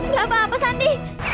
nggak apa apa sandi